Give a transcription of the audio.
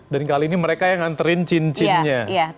dan kali ini mereka yang nganterin cincinnya